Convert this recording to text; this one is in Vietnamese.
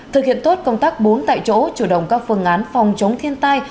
thực hiện tốt công tác bốn tại chỗ chủ động các phương án phòng chống thiên tai